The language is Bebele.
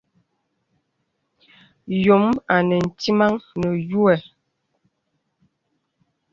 Yōm anə ntìməŋ nə yuhə̀.